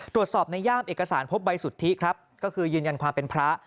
ตรวจสอบในย่ามเอกสารพบใบสุทธิครับก็คือยืนยันความเป็นพระ